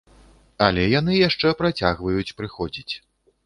Але яны яшчэ працягваюць прыходзіць.